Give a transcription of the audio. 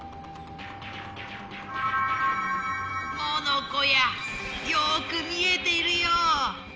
モノコやよく見えているよ。